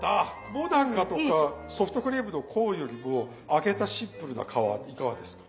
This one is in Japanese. もなかとかソフトクリームのコーンよりも揚げたシンプルな皮いかがですか？